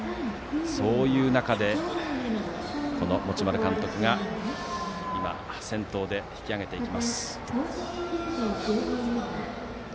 そういう中で持丸監督が今、先頭で引き上げていきます。